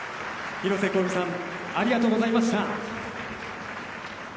広瀬香美さんありがとうございました。